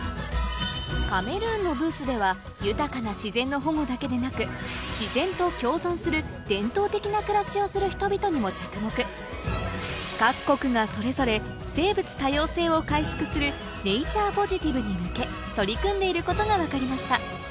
カメルーンのブースでは豊かな自然の保護だけでなく自然と共存する各国がそれぞれ生物多様性を回復するネイチャーポジティブに向け取り組んでいることが分かりました